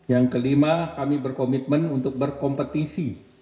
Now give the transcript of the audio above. yang kelima kami berkomitmen untuk berkompetisi